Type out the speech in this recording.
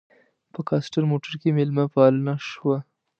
په کاسټر موټر کې مېلمه پالنه شوه.